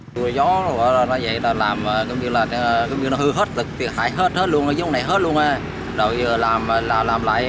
rồi gió nó vậy là làm không biết là không biết là hư hết thiệt hại hết luôn giống này hết luôn rồi giờ làm lại làm lại